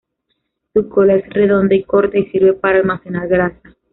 Su cola es redonda y corta y sirve para almacenar grasa.